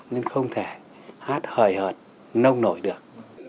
nên không thể hát hời hợt nông nổi được